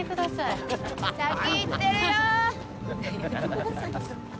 先行ってるよ！